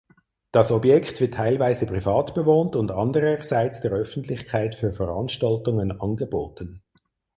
Das Objekt wird teilweise privat bewohnt und andererseits der Öffentlichkeit für Veranstaltungen angeboten.